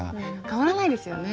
変わらないですよね。